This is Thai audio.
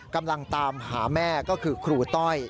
กำลังตามหาแม่ก็คือครูต้อย